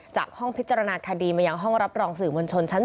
ห้องพิจารณาคดีมายังห้องรับรองสื่อมวลชนชั้น๒